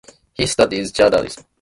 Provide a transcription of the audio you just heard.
He studies Judaism.